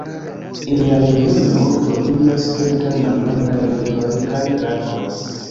En la regiono troviĝas kelkaj malgrandaj riveroj kaj lagoj.